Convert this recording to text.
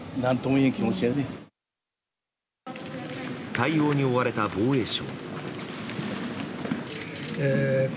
対応に追われた防衛省。